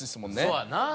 そうやんな。